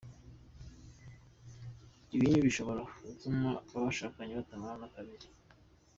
Ibinyu bishobora gutuma abashakanye batamarana kabiri.